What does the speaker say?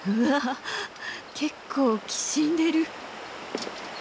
結構きしんでる！